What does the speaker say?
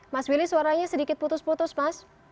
mas willy suaranya sedikit putus putus mas